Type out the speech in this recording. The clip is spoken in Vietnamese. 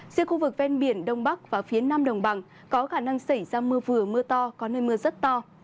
giữa khu vực ven biển đông bắc và phía nam đồng bằng có khả năng xảy ra mưa vừa mưa to có nơi mưa rất to